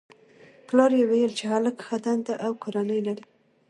پلار یې ویل چې هلک ښه دنده او کورنۍ لري